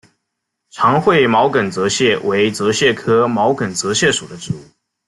长喙毛茛泽泻为泽泻科毛茛泽泻属的植物。